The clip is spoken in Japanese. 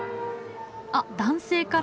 あっ男性から。